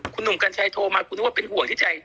คุณหนุ่มกัญชัยโทรมาคุณนึกว่าเป็นห่วงที่ใจ